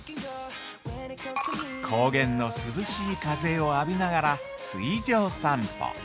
◆高原の涼しい風を浴びながら水上さんぽ。